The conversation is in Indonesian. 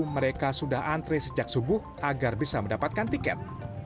mereka sudah antre sejak subuh agar bisa mendapatkan tiket